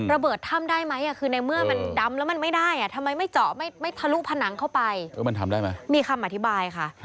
ระเบิดถ้ำได้ไหมคือในเมื่อมันดำแล้วมันไม่ได้อ่ะทำไมไม่เจาะไม่ทะลุผนังเข้าไปมันทำได้ไหมมีคำอธิบายค่ะ